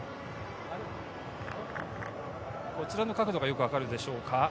こちらの角度がよく分かるでしょうか。